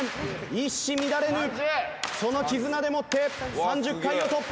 一糸乱れぬその絆でもって３０回を突破！